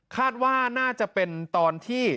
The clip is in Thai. คาดว่าน่าจะเป็นตอนที่